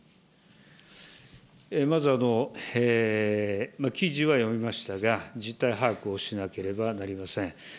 まず、記事は読みましたが、実態把握をしなければなりません。